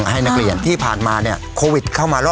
เอาไว้หน้าแผ่เระเป็นมากเล่นการแกล้งทำอาชีพเทศมหาชาติ